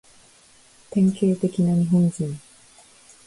典型的な日本人